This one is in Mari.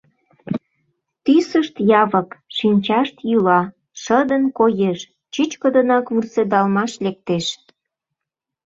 Тӱсышт явык, шинчашт йӱла, шыдын коеш, чӱчкыдынак вурседалмаш лектеш.